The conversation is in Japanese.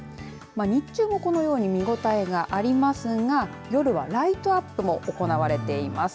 日中はこのように見応えがありますが夜はライトアップも行われています。